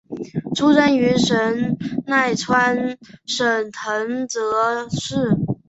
出身于神奈川县藤泽市。